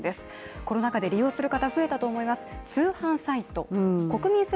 コロナ禍で利用する方が増えたと思います